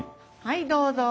はいどうぞ。